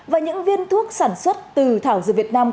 và những viên thuốc sản xuất từ thảo dược việt nam